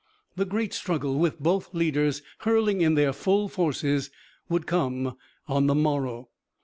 The great struggle, with both leaders hurling in their full forces, would come on the morrow.